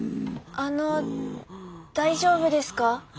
あの大丈夫ですか？